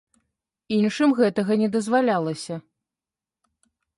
Іншым гэтага не дазвалялася.